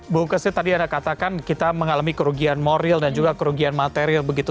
bu kesit tadi anda katakan kita mengalami kerugian moral dan juga kerugian material begitu